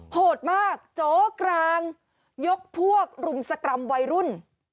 โหดมากโจ๊กลางยกพวกรุมสกรรมวัยรุ่น